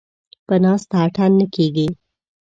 ـ په ناسته اتڼ نه کېږي.